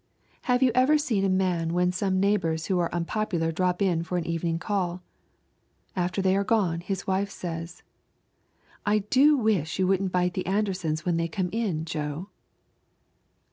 Have you ever seen a man when some neighbors who are unpopular drop in for an evening call? After they are gone, his wife says: "I do wish you wouldn't bite the Andersons when they come in, Joe!"